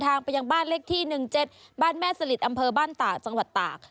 ไปยังบ้านเลขที่๑๗บ้านแม่สลิดอำเภอบ้านตากจังหวัดตาก